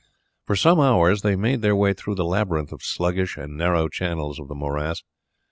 For some hours they made their way through the labyrinth of sluggish and narrow channels of the morass.